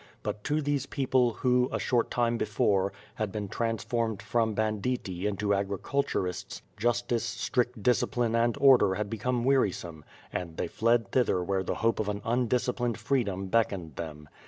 But to these people who, a short time before, had been transformed from banditti into agriculturists, justice, strict discipline, and order had become wearisome, and they fled thither where the hope of an undisciplined freedom beckoned them.